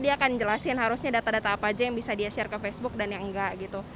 dia akan jelasin harusnya data data apa aja yang bisa dia share ke facebook dan yang enggak gitu